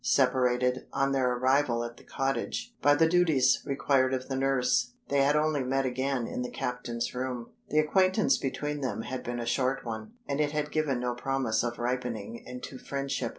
Separated, on their arrival at the cottage, by the duties required of the nurse, they had only met again in the captain's room. The acquaintance between them had been a short one; and it had given no promise of ripening into friendship.